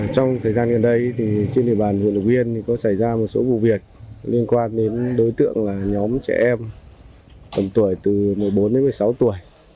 trong thời gian gần đây trên địa bàn huyện lục yên có xảy ra một số vụ việc liên quan đến đối tượng là nhóm trẻ em tầm tuổi từ một mươi bốn đến một mươi sáu tuổi